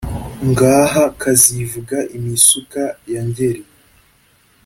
ngaha kazivuga imisuka ya ngeri.